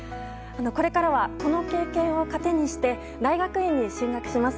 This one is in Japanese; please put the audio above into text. これからはこの経験を糧にして大学院に進学します。